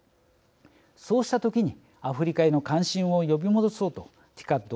そうした時にアフリカへの関心を呼び戻そうとＴＩＣＡＤ